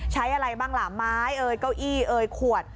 ใช้อะไรบ้างล่ะไม้เก้าอี้ขวด